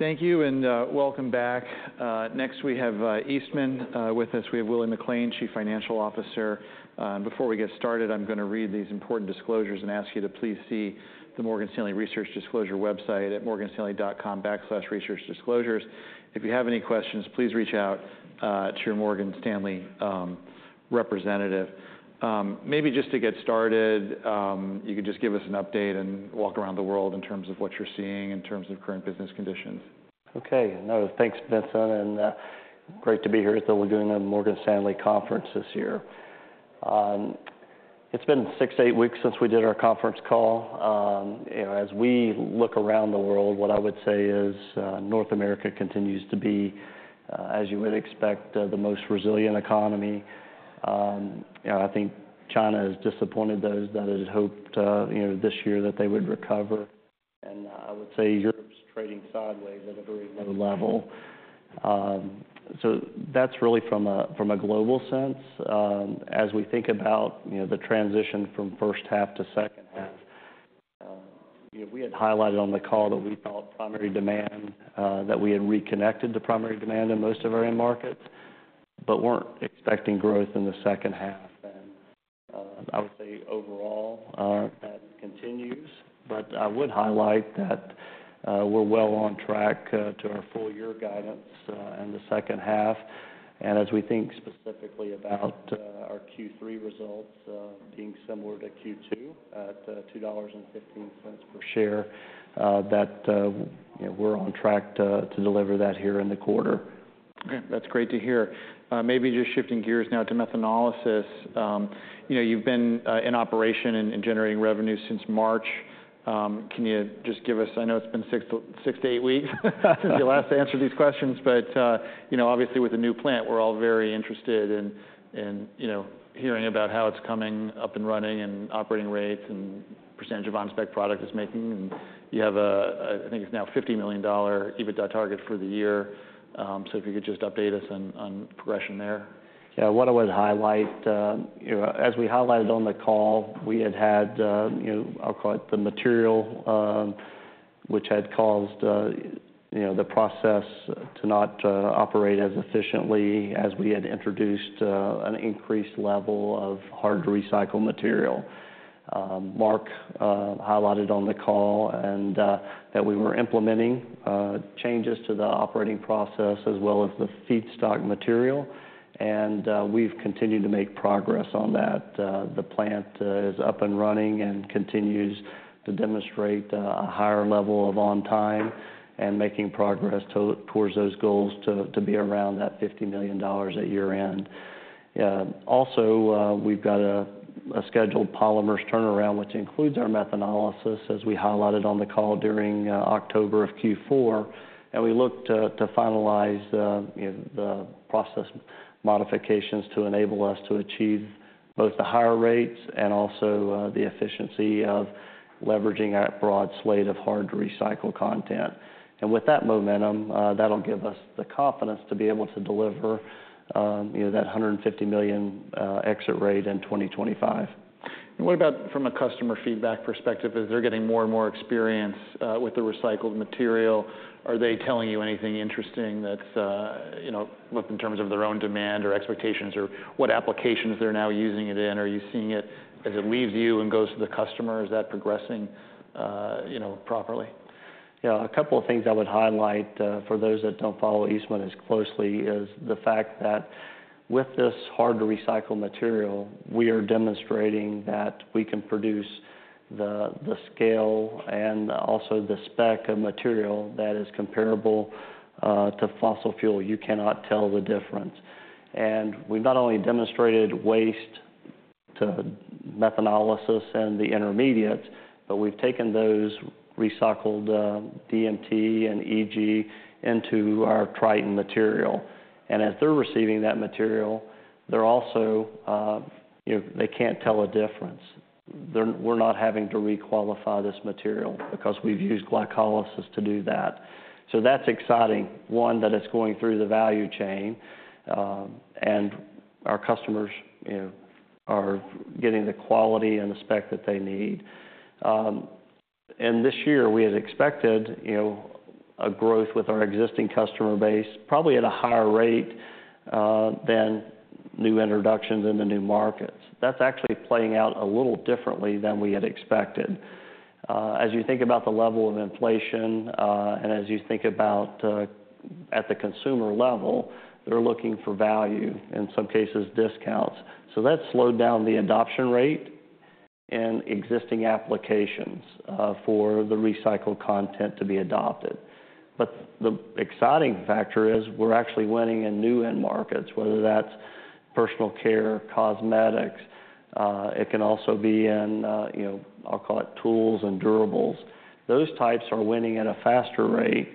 Thank you, and welcome back. Next, we have Eastman. With us, we have William McLain, Chief Financial Officer. Before we get started, I'm gonna read these important disclosures and ask you to please see the Morgan Stanley Research Disclosure website at morganstanley.com/researchdisclosures. If you have any questions, please reach out to your Morgan Stanley representative. Maybe just to get started, you could just give us an update and walk around the world in terms of what you're seeing in terms of current business conditions. Okay. No, thanks, Vincent, and great to be here at the Laguna Morgan Stanley Conference this year. It's been six to eight weeks since we did our conference call. You know, as we look around the world, what I would say is North America continues to be, as you would expect, the most resilient economy. You know, I think China has disappointed those that had hoped, you know, this year, that they would recover. And I would say Europe's trading sideways at a very low level. So that's really from a, from a global sense. As we think about, you know, the transition from first half to second half, you know, we had highlighted on the call that we felt primary demand. that we had reconnected to primary demand in most of our end markets, but weren't expecting growth in the second half. And, I would say overall, that continues, but I would highlight that, we're well on track, to our full year guidance, in the second half. And as we think specifically about, our Q3 results, being similar to Q2 at, $2.15 per share, that, you know, we're on track to deliver that here in the quarter. Okay, that's great to hear. Maybe just shifting gears now to methanolysis. You know, you've been in operation and generating revenue since March. Can you just give us... I know it's been six to eight weeks since you last answered these questions, but you know, obviously, with the new plant, we're all very interested in you know, hearing about how it's coming up and running and operating rates and percentage of on-spec product it's making. And you have a I think it's now $50 million EBITDA target for the year. So if you could just update us on progression there. Yeah. What I would highlight, you know, as we highlighted on the call, we had had, you know, I'll call it the material, which had caused, you know, the process to not operate as efficiently as we had introduced, an increased level of hard-to-recycle material. Mark highlighted on the call and that we were implementing changes to the operating process as well as the feedstock material, and we've continued to make progress on that. The plant is up and running and continues to demonstrate a higher level of on time, and making progress towards those goals to be around that $50 million at year-end. Also, we've got a scheduled polymers turnaround, which includes our methanolysis, as we highlighted on the call, during October of Q4, and we look to finalize, you know, the process modifications to enable us to achieve both the higher rates and also the efficiency of leveraging our broad slate of hard-to-recycle content. With that momentum, that'll give us the confidence to be able to deliver, you know, that $150 million exit rate in 2025. What about from a customer feedback perspective? As they're getting more and more experience with the recycled material, are they telling you anything interesting that's, you know, well, in terms of their own demand or expectations, or what applications they're now using it in? Are you seeing it as it leaves you and goes to the customer, is that progressing, you know, properly? Yeah. A couple of things I would highlight for those that don't follow Eastman as closely is the fact that with this hard-to-recycle material, we are demonstrating that we can produce the scale and also the spec of material that is comparable to fossil fuel. You cannot tell the difference. And we've not only demonstrated waste to methanolysis and the intermediates, but we've taken those recycled DMT and EG into our Tritan material. And as they're receiving that material, they're also, you know, they can't tell a difference. We're not having to re-qualify this material because we've used glycolysis to do that. So that's exciting, one, that it's going through the value chain, and our customers, you know, are getting the quality and the spec that they need. And this year, we had expected, you know, a growth with our existing customer base, probably at a higher rate than new introductions in the new markets. That's actually playing out a little differently than we had expected. As you think about the level of inflation and as you think about, at the consumer level, they're looking for value, in some cases, discounts. So that's slowed down the adoption rate and existing applications for the recycled content to be adopted. But the exciting factor is we're actually winning in new end markets, whether that's personal care, cosmetics. It can also be in, you know, I'll call it tools and durables. Those types are winning at a faster rate,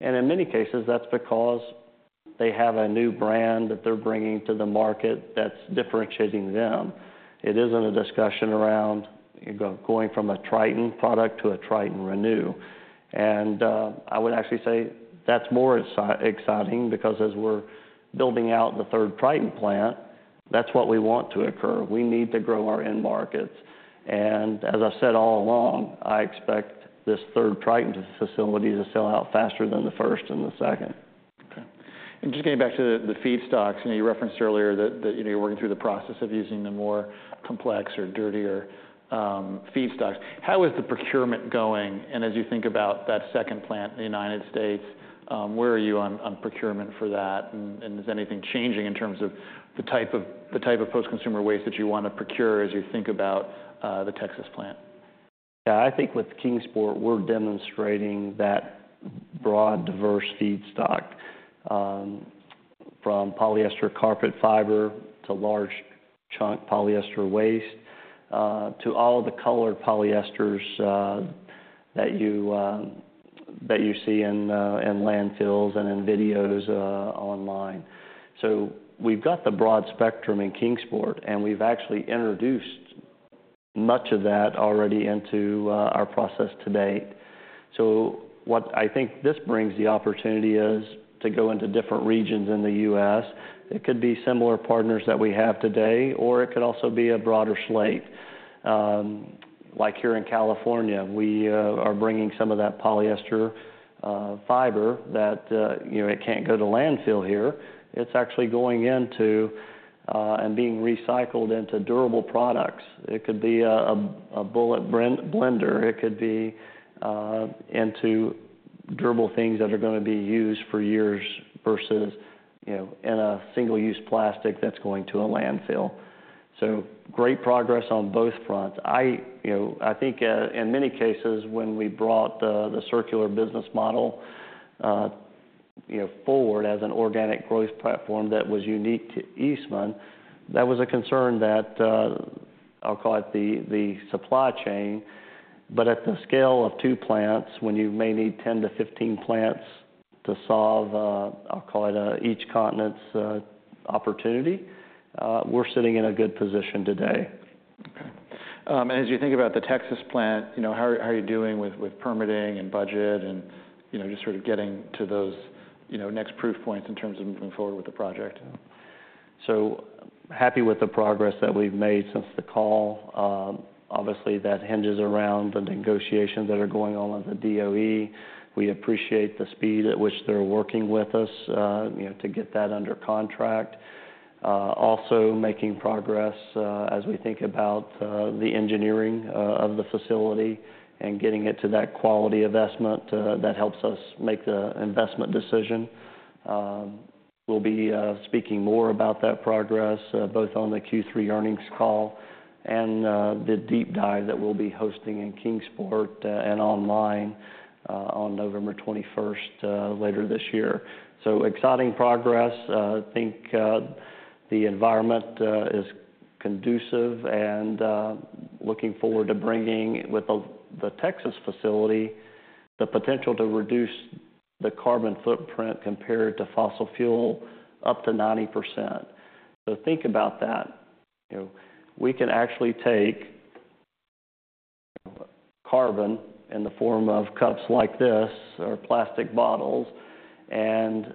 and in many cases, that's because they have a new brand that they're bringing to the market that's differentiating them. It isn't a discussion around going from a Tritan product to a Tritan Renew. And, I would actually say that's more exciting because as we're building out the third Tritan plant. That's what we want to occur. We need to grow our end markets. And as I've said all along, I expect this third Tritan facility to sell out faster than the first and the second. Okay. And just getting back to the feedstocks, you know, you referenced earlier that you know, you're working through the process of using the more complex or dirtier feedstocks. How is the procurement going? And as you think about that second plant in the United States, where are you on procurement for that? And is anything changing in terms of the type of post-consumer waste that you wanna procure as you think about the Texas plant? Yeah, I think with Kingsport, we're demonstrating that broad, diverse feedstock from polyester carpet fiber to large chunk polyester waste to all the colored polyesters that you see in landfills and in videos online. So we've got the broad spectrum in Kingsport, and we've actually introduced much of that already into our process today. So what I think this brings the opportunity is to go into different regions in the U.S. It could be similar partners that we have today, or it could also be a broader slate. Like here in California, we are bringing some of that polyester fiber that you know it can't go to landfill here. It's actually going into and being recycled into durable products. It could be a blender. It could be into durable things that are gonna be used for years versus, you know, in a single-use plastic that's going to a landfill. So great progress on both fronts. I, you know, I think, in many cases, when we brought the circular business model, you know, forward as an organic growth platform that was unique to Eastman, that was a concern that, I'll call it the supply chain. But at the scale of two plants, when you may need 10-15 plants to solve, I'll call it each continent's opportunity, we're sitting in a good position today. Okay. And as you think about the Texas plant, you know, how are you doing with permitting and budget and, you know, just sort of getting to those, you know, next proof points in terms of moving forward with the project? So happy with the progress that we've made since the call. Obviously, that hinges around the negotiations that are going on with the DOE. We appreciate the speed at which they're working with us, you know, to get that under contract. Also making progress, as we think about the engineering of the facility and getting it to that quality investment that helps us make the investment decision. We'll be speaking more about that progress, both on the Q3 earnings call and the deep dive that we'll be hosting in Kingsport and online on November 21st later this year. So exciting progress. I think the environment is conducive and looking forward to bringing, with the Texas facility, the potential to reduce the carbon footprint compared to fossil fuel up to 90%. So think about that. You know, we can actually take carbon in the form of cups like this or plastic bottles, and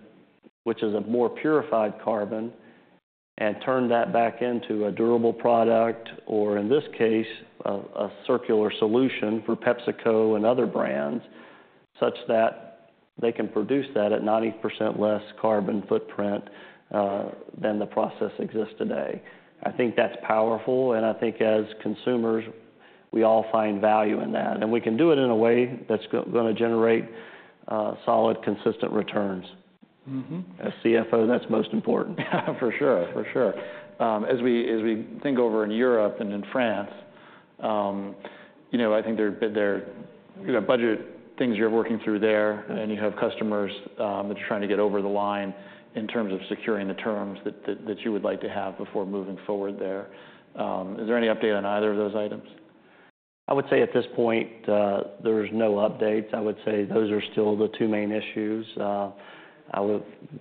which is a more purified carbon, and turn that back into a durable product, or in this case, a circular solution for PepsiCo and other brands, such that they can produce that at 90% less carbon footprint than the process exists today. I think that's powerful, and I think as consumers, we all find value in that, and we can do it in a way that's gonna generate solid, consistent returns. Mm-hmm. As CFO, that's most important. For sure, for sure. As we think over in Europe and in France, you know, I think there, you know, budget things you're working through there, and you have customers that you're trying to get over the line in terms of securing the terms that you would like to have before moving forward there. Is there any update on either of those items? I would say at this point, there's no updates. I would say those are still the two main issues.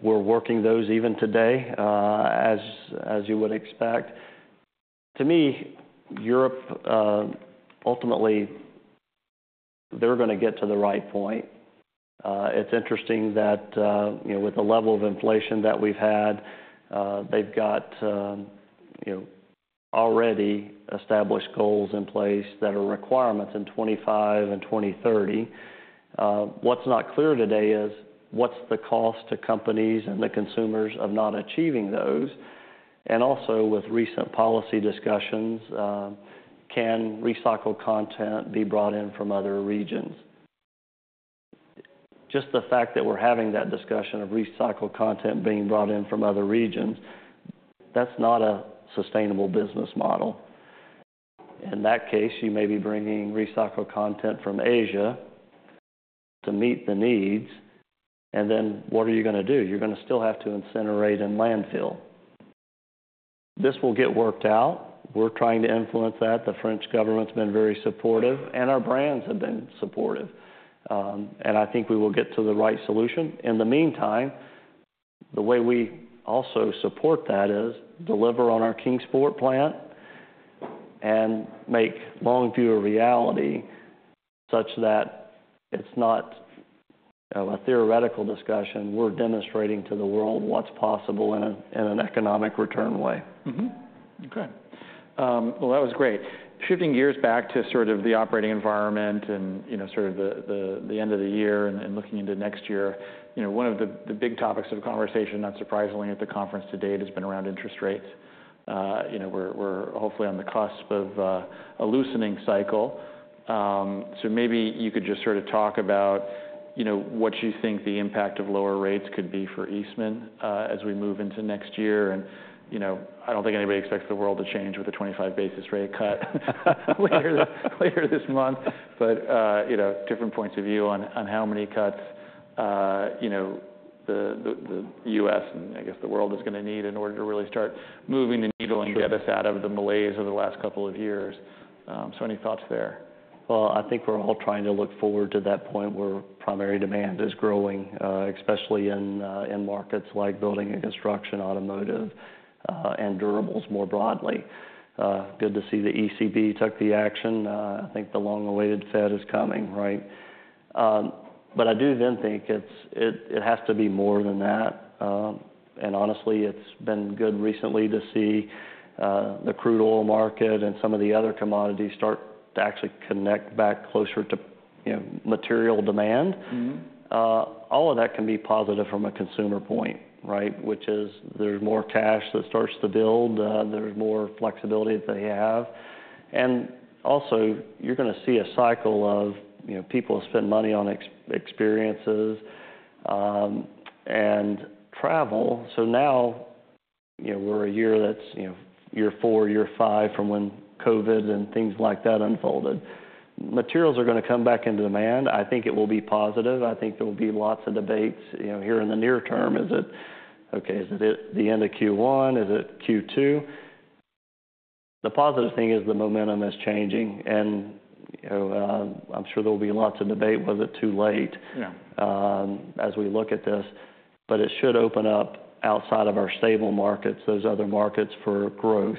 We're working those even today, as you would expect. To me, Europe ultimately, they're gonna get to the right point. It's interesting that, you know, with the level of inflation that we've had, they've got, you know, already established goals in place that are requirements in 2025 and 2030. What's not clear today is, what's the cost to companies and the consumers of not achieving those? Also, with recent policy discussions, can recycled content be brought in from other regions? Just the fact that we're having that discussion of recycled content being brought in from other regions, that's not a sustainable business model. In that case, you may be bringing recycled content from Asia to meet the needs, and then what are you gonna do? You're gonna still have to incinerate in landfill. This will get worked out. We're trying to influence that. The French government's been very supportive, and our brands have been supportive. And I think we will get to the right solution. In the meantime, the way we also support that is deliver on our Kingsport plant and make Longview a reality, such that it's not, you know, a theoretical discussion. We're demonstrating to the world what's possible in an economic return way. Mm-hmm. Okay, well, that was great. Shifting gears back to sort of the operating environment and, you know, sort of the end of the year and looking into next year. You know, one of the big topics of conversation, not surprisingly, at the conference to date, has been around interest rates. You know, we're hopefully on the cusp of a loosening cycle, so maybe you could just sort of talk about, you know, what you think the impact of lower rates could be for Eastman, as we move into next year, and you know, I don't think anybody expects the world to change with a 25 basis point rate cut later this month. But, you know, different points of view on how many cuts, you know, the U.S., and I guess the world, is gonna need in order to really start moving the needle and get us out of the malaise over the last couple of years. So any thoughts there? I think we're all trying to look forward to that point where primary demand is growing, especially in markets like building and construction, automotive, and durables more broadly. Good to see the ECB took the action. I think the long-awaited Fed is coming, right? I do then think it has to be more than that. Honestly, it's been good recently to see the crude oil market and some of the other commodities start to actually connect back closer to, you know, material demand. Mm-hmm. All of that can be positive from a consumer point, right? Which is there's more cash that starts to build, there's more flexibility that they have. And also, you're gonna see a cycle of, you know, people spend money on experiences, and travel. So now, you know, we're a year that's, you know, year four, year five from when COVID and things like that unfolded. Materials are gonna come back into demand. I think it will be positive. I think there will be lots of debates, you know, here in the near term. Is it, okay, is it at the end of Q1? Is it Q2? The positive thing is the momentum is changing, and, you know, I'm sure there will be lots of debate, was it too late- Yeah... as we look at this. But it should open up outside of our stable markets, those other markets, for growth.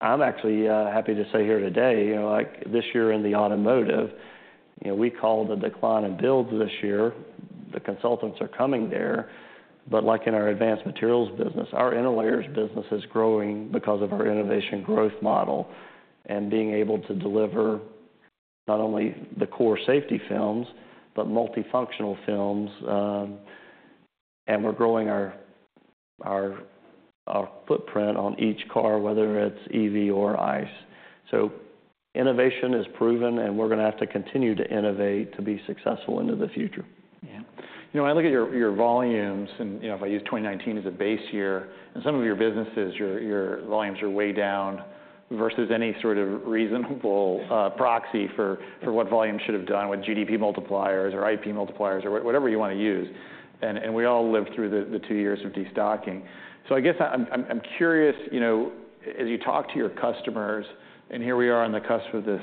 I'm actually happy to say here today, you know, like, this year in the automotive, you know, we called the decline in builds this year. The consultants are coming there. But like in our Advanced Materials business, our interlayers business is growing because of our innovation growth model, and being able to deliver not only the core safety films, but multifunctional films. And we're growing our footprint on each car, whether it's EV or ICE. So innovation is proven, and we're gonna have to continue to innovate to be successful into the future. Yeah. You know, I look at your volumes, and, you know, if I use 2019 as a base year, in some of your businesses, your volumes are way down versus any sort of reasonable proxy for what volumes should have done with GDP multipliers or IP multipliers or whatever you wanna use, and we all lived through the two years of destocking. So I guess I'm curious, you know, as you talk to your customers, and here we are on the cusp of this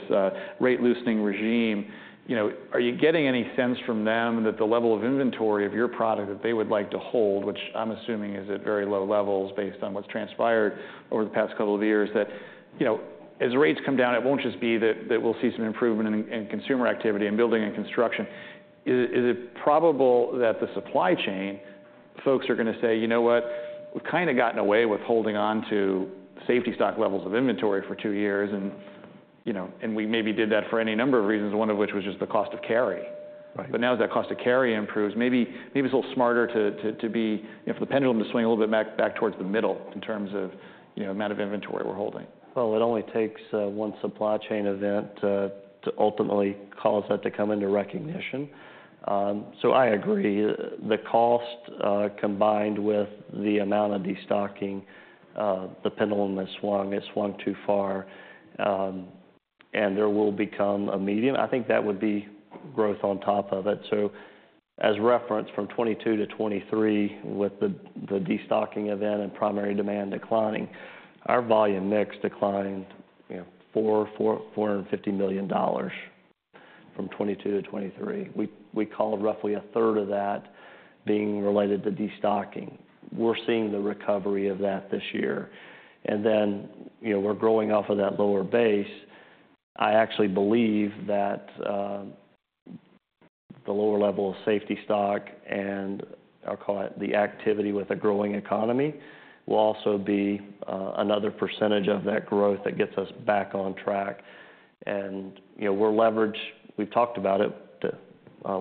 rate loosening regime, you know, are you getting any sense from them that the level of inventory of your product that they would like to hold, which I'm assuming is at very low levels based on what's transpired over the past couple of years, that, you know, as rates come down, it won't just be that we'll see some improvement in consumer activity in building and construction. Is it probable that the supply chain folks are gonna say, "You know what? We've kind of gotten away with holding on to safety stock levels of inventory for two years, and, you know, and we maybe did that for any number of reasons, one of which was just the cost of carry. Right. But now that cost of carry improves, maybe it's a little smarter to be... you know, for the pendulum to swing a little bit back towards the middle in terms of, you know, amount of inventory we're holding. It only takes one supply chain event to ultimately cause that to come into recognition. I agree. The cost combined with the amount of destocking the pendulum has swung. It swung too far and there will become a medium. I think that would be growth on top of it. As referenced, from 2022-2023, with the destocking event and primary demand declining, our volume mix declined, you know, $450 million from 2022-2023. We call roughly a third of that being related to destocking. We're seeing the recovery of that this year. You know, we're growing off of that lower base. I actually believe that, the lower level of safety stock and, I'll call it, the activity with a growing economy, will also be, another percentage of that growth that gets us back on track. And, you know, we're leveraged, we've talked about it,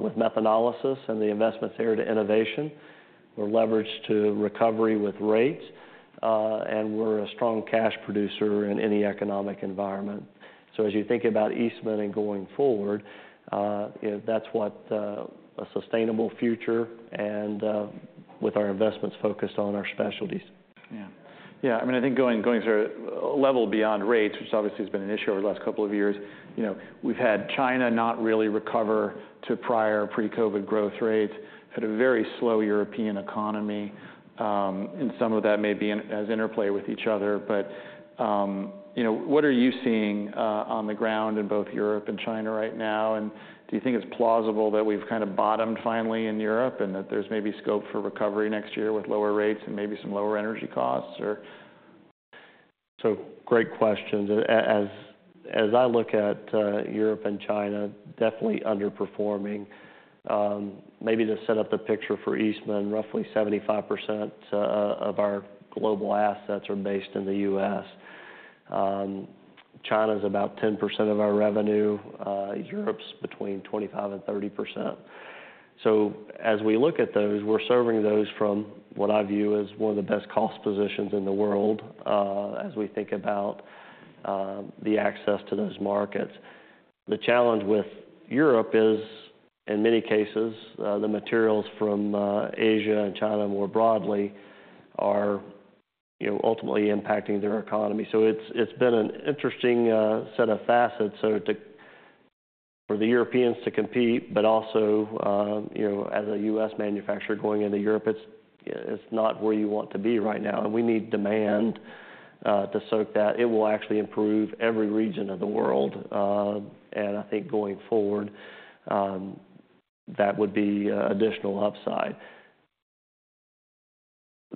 with methanolysis and the investments there to innovation. We're leveraged to recovery with rates, and we're a strong cash producer in any economic environment. So as you think about Eastman and going forward, you know, that's what, a sustainable future and, with our investments focused on our specialties. Yeah. Yeah, I mean, I think going to a level beyond rates, which obviously has been an issue over the last couple of years, you know, we've had China not really recover to prior pre-COVID growth rates, had a very slow European economy, and some of that may be an interplay with each other. But, you know, what are you seeing on the ground in both Europe and China right now? And do you think it's plausible that we've kind of bottomed finally in Europe, and that there's maybe scope for recovery next year with lower rates and maybe some lower energy costs, or?... So great questions. As, as I look at Europe and China, definitely underperforming. Maybe to set up the picture for Eastman, roughly 75% of our global assets are based in the U.S. China's about 10% of our revenue, Europe's between 25% and 30%. So as we look at those, we're serving those from what I view as one of the best cost positions in the world, as we think about the access to those markets. The challenge with Europe is, in many cases, the materials from Asia and China, more broadly, are, you know, ultimately impacting their economy. So it's been an interesting set of facets for the Europeans to compete, but also, you know, as a U.S. manufacturer going into Europe, it's not where you want to be right now, and we need demand to soak that. It will actually improve every region of the world. And I think going forward, that would be additional upside.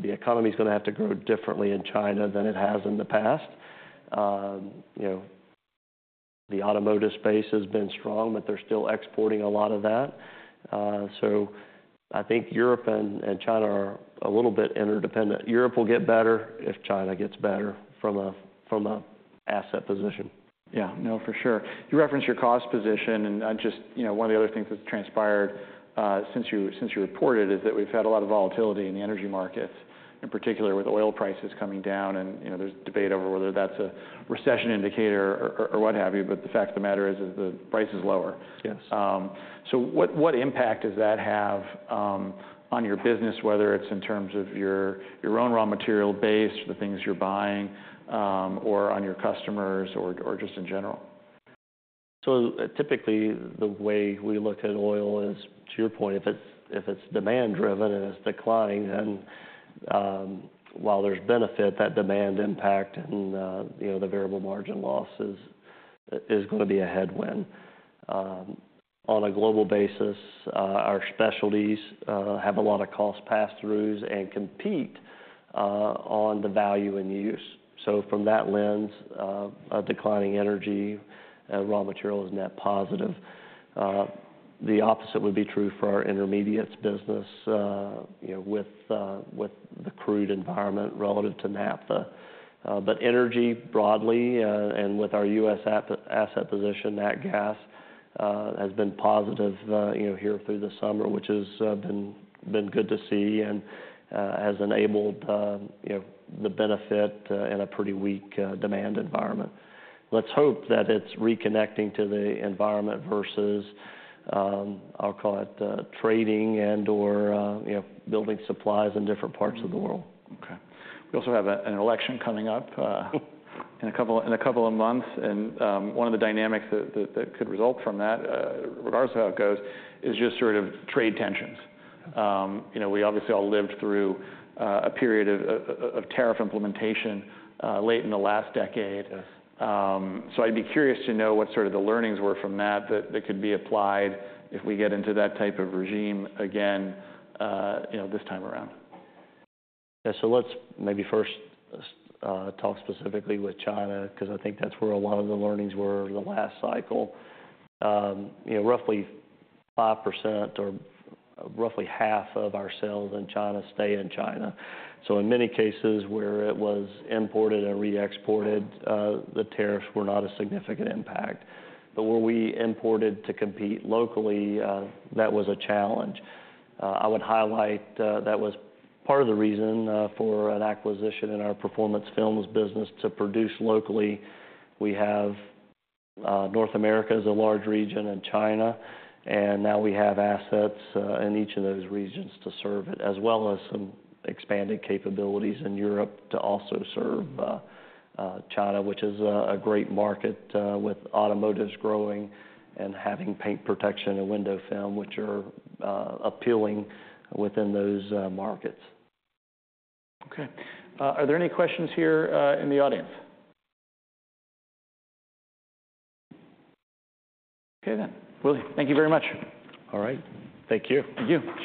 The economy's gonna have to grow differently in China than it has in the past. You know, the automotive space has been strong, but they're still exporting a lot of that. So I think Europe and China are a little bit interdependent. Europe will get better if China gets better from an asset position. Yeah. No, for sure. You referenced your cost position, and I just... You know, one of the other things that's transpired since you, since you reported, is that we've had a lot of volatility in the energy markets, in particular with oil prices coming down, and, you know, there's debate over whether that's a recession indicator or what have you, but the fact of the matter is the price is lower. Yes. So, what impact does that have on your business, whether it's in terms of your own raw material base, the things you're buying, or on your customers or just in general? So typically, the way we look at oil is, to your point, if it's demand-driven and it's declining, then while there's benefit, that demand impact and you know, the variable margin loss is gonna be a headwind. On a global basis, our specialties have a lot of cost passthroughs and compete on the value and use. So from that lens, a declining energy raw material is net positive. The opposite would be true for our intermediates business, you know, with the crude environment relative to naphtha. But energy broadly and with our U.S. asset position, nat gas has been positive, you know, here through the summer, which has been good to see and has enabled you know, the benefit in a pretty weak demand environment. Let's hope that it's reconnecting to the environment versus, I'll call it, you know, building supplies in different parts of the world. Okay. We also have an election coming up in a couple of months, and one of the dynamics that could result from that, regardless of how it goes, is just sort of trade tensions. You know, we obviously all lived through a period of tariff implementation late in the last decade. Yes. So I'd be curious to know what sort of the learnings were from that that could be applied if we get into that type of regime again, you know, this time around. Yeah. So let's maybe first talk specifically with China, 'cause I think that's where a lot of the learnings were in the last cycle. You know, roughly 5% or roughly half of our sales in China stay in China. So in many cases, where it was imported and re-exported, the tariffs were not a significant impact. But where we imported to compete locally, that was a challenge. I would highlight that was part of the reason for an acquisition in our Performance Films business to produce locally. We have... North America is a large region and China, and now we have assets in each of those regions to serve it, as well as some expanding capabilities in Europe to also serve China, which is a great market with automotives growing and having paint protection and window film, which are appealing within those markets. Okay. Are there any questions here, in the audience? Okay, then. Willie, thank you very much. All right. Thank you. Thank you. Sure.